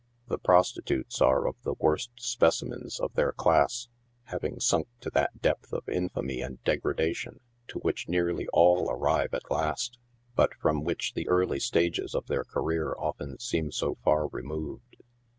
The pros titutes are of the worst specimens of their class, having sunk to that depth of infamy and degradation to which nearly all arrive at last, but from which the early stages of their career often seem so far removed.